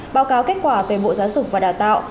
báo cáo kết quả về bộ giáo dục và đào tạo